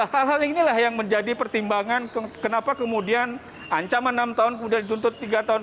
hal hal inilah yang menjadi pertimbangan kenapa kemudian ancaman enam tahun kemudian dituntut tiga tahun